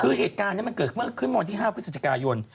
คือเหตุการณ์นี้มันเกิดขึ้นวันที่๕พฤศจิกายน